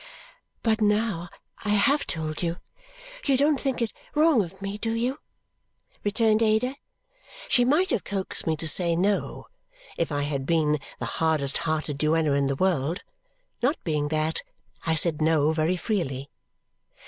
"But now I have told you, you don't think it wrong of me, do you?" returned Ada. She might have coaxed me to say no if I had been the hardest hearted duenna in the world. Not being that yet, I said no very freely.